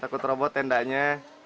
takut robot tendanya